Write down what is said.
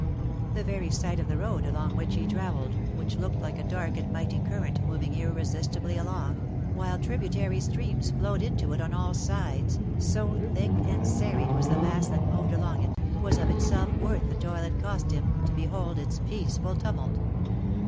The very sight of the road along which he travelled, which looked like a dark and mighty current moving irresistibly along, while tributary streams flowed into it on all sides, so thick and serried was the mass that moved along it, was of itself well worth the toil it cost him, to behold its peaceful tumult.